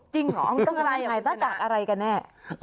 ถ้ามีต่างหากากอะไรกันแน่